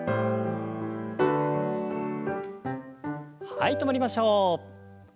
はい止まりましょう。